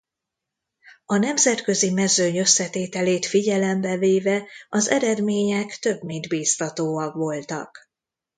A nemzetközi mezőny összetételét figyelembe véve az eredmények több mint biztatóak voltak.